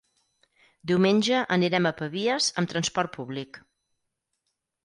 Diumenge anirem a Pavies amb transport públic.